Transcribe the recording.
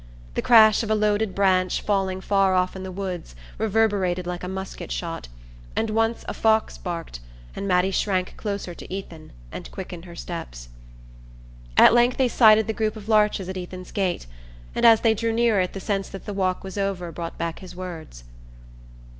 The crash of a loaded branch falling far off in the woods reverberated like a musket shot, and once a fox barked, and Mattie shrank closer to Ethan, and quickened her steps. At length they sighted the group of larches at Ethan's gate, and as they drew near it the sense that the walk was over brought back his words.